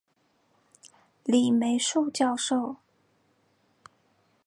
李梅树教授